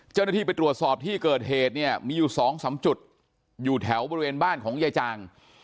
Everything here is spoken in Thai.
เจ้าหน้าที่ไปตรวจสอบที่เกิดเหตุเนี่ยมีอยู่๒๓จุดอยู่แถวบริเวณบ้านของยายจาง